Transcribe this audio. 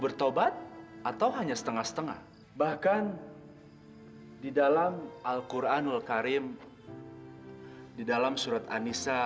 bertobat atau hanya setengah setengah bahkan di dalam alquranul karim di dalam surat anisa